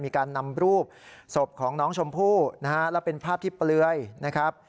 มีการนำรูปศพของน้องชมพู่นะฮะแล้วเป็นภาพที่เปลือยนะครับ